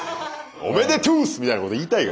「おめでトゥース！」みたいなこと言いたいよ